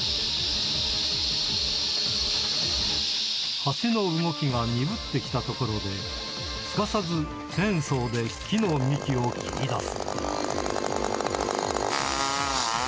ハチの動きが鈍ってきたところで、すかさずチェーンソーで木の幹を切り出す。